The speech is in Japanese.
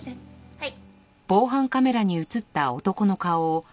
はい。